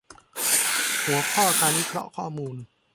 หัวข้อการวิเคราะห์ข้อมูล